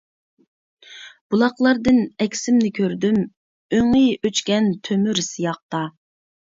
بۇلاقلاردىن ئەكسىمنى كۆردۈم، ئۆڭى ئۆچكەن تۆمۈر سىياقتا.